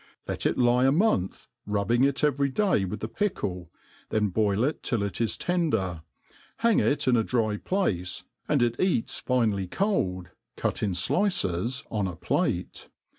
Let it lie a month, rubbing it every day with the pickle, then boil it Mil it is tender, hang it in a dry place, and it eats finely cold, cut4n flices on a plate.